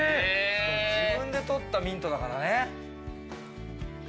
自分で取ったミントだからね。